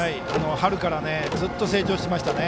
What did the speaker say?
春からずっと成長していましたね。